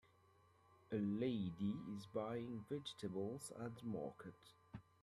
A lady is buying vegetables at the market.